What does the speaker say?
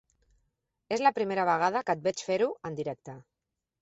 És la primera vegada que et veig fer-ho en directe.